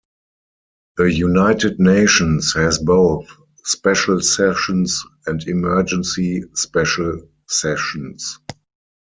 The United Nations has both special sessions and emergency special sessions.